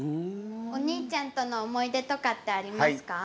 お兄ちゃんとの思い出とかってありますか？